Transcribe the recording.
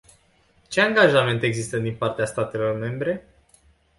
Ce angajamente există din partea statelor membre?